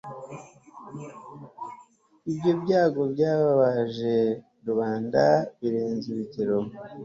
ibyo byago byababaje rubanda birenze urugero